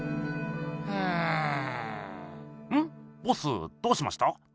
ボスどうしました？